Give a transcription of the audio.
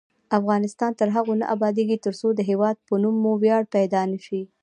افغانستان تر هغو نه ابادیږي، ترڅو د هیواد په نوم مو ویاړ پیدا نشي.